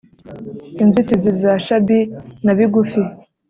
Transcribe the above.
inzitizi za shabby na bigufi